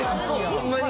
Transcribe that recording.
ホンマに？